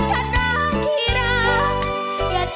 แต่วจากกลับมาท่าน้าที่รักอย่าช้านับสิสามเชย